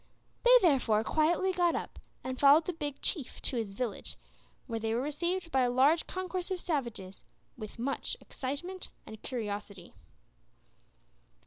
They therefore quietly got up and followed the big chief to his village, where they were received by a large concourse of savages with much excitement and curiosity.